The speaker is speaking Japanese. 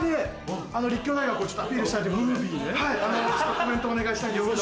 コメントお願いしたいんですけども。